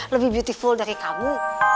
lebih beautiful dari kamu